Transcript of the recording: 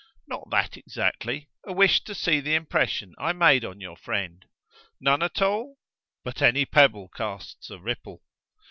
Not that exactly: a wish to see the impression I made on your friend. None at all? But any pebble casts a ripple."